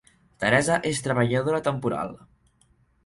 Teresa és treballadora temporal